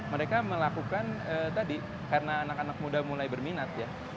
mereka melakukan tadi karena anak anak muda mulai berminat ya